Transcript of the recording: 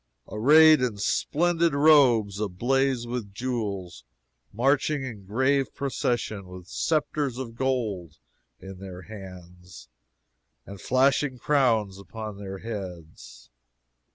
arrayed in splendid robes ablaze with jewels, marching in grave procession, with sceptres of gold in their hands and flashing crowns upon their heads.